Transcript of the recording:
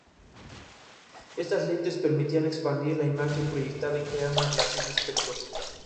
Tras traducir y repasar el texto, esperó dos años más para publicarlo.